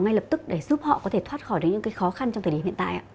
ngay lập tức để giúp họ có thể thoát khỏi được những khó khăn trong thời điểm hiện tại ạ